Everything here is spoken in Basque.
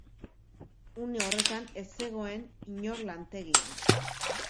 Une horretan, ez zegoen inor lantegian.